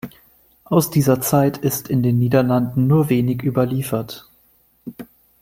Aus dieser Zeit ist in den Niederlanden nur wenig überliefert.